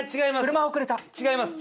違います